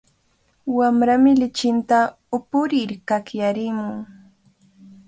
Wamrami lichinta upurir kakyarimun.